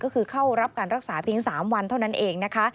ก็คือเข้ารับการรักษาเพียง๓วันเท่านั้นเองนะคะ